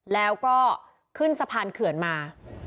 แล้วก็ขึ้นสะพานเขื่อนมา